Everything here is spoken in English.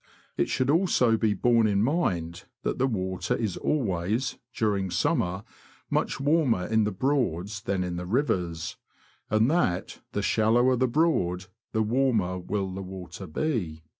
It should also be borne in mind, that the water is always, during summer, much warmer in the Broads than in the rivers, and that, the shallower the Broad, the warmer will the water be.